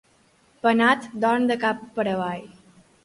Penat, dorm de cap per avall.